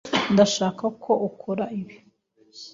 Ndashaka ko ukora ibi.